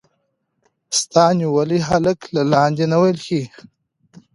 سا نيولي هلک له لاندې نه وويل.